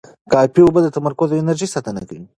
کافي اوبه د تمرکز او انرژۍ ساتنه کوي.